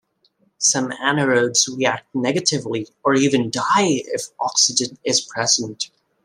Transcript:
Some anaerobes react negatively or even die if oxygen is present.